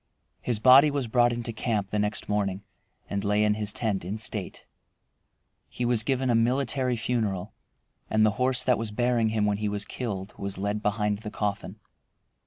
His body was brought into camp the next morning and lay in his tent in state. He was given a military funeral, and the horse that was bearing him when he was killed was led behind his coffin.